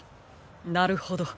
なるほど。